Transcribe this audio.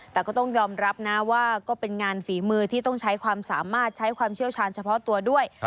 แต่ก็ต้องยอมรับนะว่าก็เป็นงานฝีมือที่ต้องใช้ความสามารถใช้ความเชี่ยวชาญเฉพาะตัวด้วย